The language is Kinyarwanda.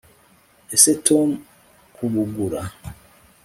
ese tom kubugura